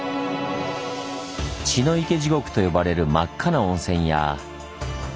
「血の池地獄」と呼ばれる真っ赤な温泉や。